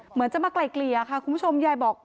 เหมือนจะมาไกลเกลี่ยค่ะคุณผู้ชมยายบอก